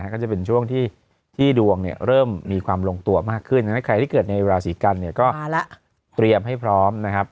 ก็จะเป็นช่วงที่ดวงเนี่ยเริ่มมีความลงตัวมากขึ้นใครที่เกิดในราศีกันเนี่ยก็เตรียมให้พร้อมนะครับ